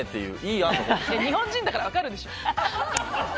日本人だからわかるでしょ！